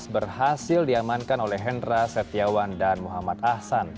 berhasil diamankan oleh hendra setiawan dan muhammad ahsan